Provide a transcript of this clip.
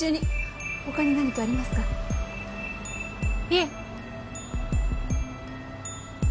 いえ。